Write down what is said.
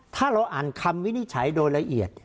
ถ้าเราอ่านคำวินิจฉัยโดยละเอียด